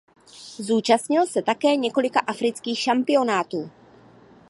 Zúčastnil se také několika afrických šampionátů.